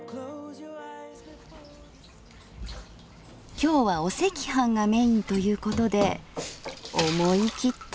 今日はお赤飯がメインということで思い切って作ります。